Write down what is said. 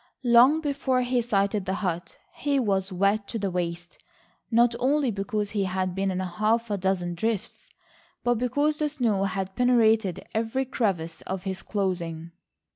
Long before he sighted the hut, he was wet to the waist, not only because he had been in half a dozen drifts, but because the snow had penetrated every crevice of his clothing.